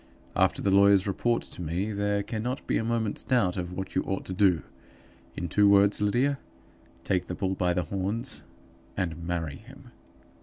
After the lawyer's report to me, there cannot be a moment's doubt of what you ought to do. In two words, Lydia, take the bull by the horns and marry him!